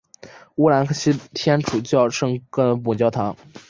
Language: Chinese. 乌克兰希腊礼天主教圣尼各老主教座堂是该教区的母教堂。